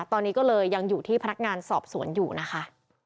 ตอนนี้ก็เลยยังอยู่ที่พนักงานสอบสวนอยู่นะคะ